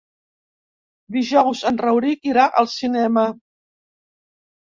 Dijous en Rauric irà al cinema.